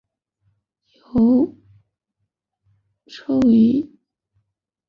由溴乙醛在干燥溴化氢作用下与乙醇反应得到。